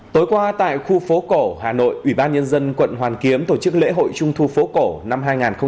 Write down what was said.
tối qua tại khu phố cổ hà nội ủy ban nhân dân quận hoàn kiếm tổ chức lễ hội trung thu phố cổ năm hai nghìn hai mươi